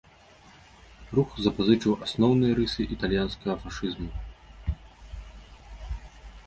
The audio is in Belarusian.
Рух запазычыў асноўныя рысы італьянскага фашызму.